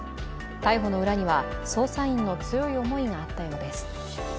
逮捕の裏には、捜査員の強い思いがあったようです。